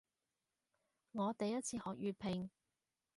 我第一次學粵拼